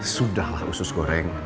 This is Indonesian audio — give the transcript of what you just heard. sudahlah usus goreng